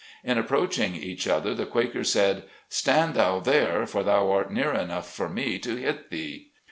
In approach ing each other the Quaker said, " Stand thou there, for thou art near enough for me to hit thee."